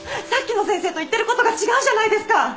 さっきの先生と言ってることが違うじゃないですか！